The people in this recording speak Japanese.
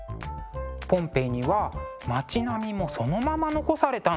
ポンペイには町並みもそのまま残されたんですね。